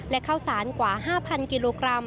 และข้าวสารกว่า๕๐๐กิโลกรัม